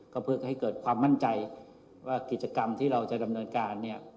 ก็เพื่อให้เกิดความมั่นใจว่ากิจกรรมที่เราจะดำเนินการเนี่ย